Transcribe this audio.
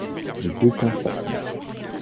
Les deux camps s'affrontent.